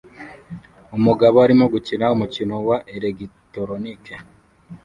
Umugabo arimo gukina umukino wa elegitoronike